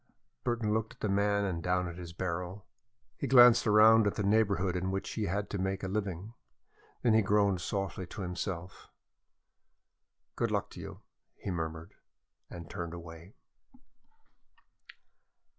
Burton looked at the man and down at his barrow. He glanced around at the neighborhood in which he had to make a living. Then he groaned softly to himself. "Good luck to you!" he murmured, and turned away.